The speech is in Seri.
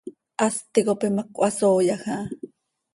Hast ticop imac cöhasooyaj aha.